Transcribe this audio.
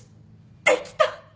できた。